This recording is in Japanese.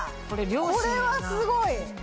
これはすごい！